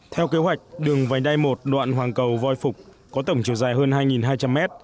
theo kế hoạch đường vành đai một đoạn hoàng cầu voi phục có tổng chiều dài hơn hai hai trăm linh mét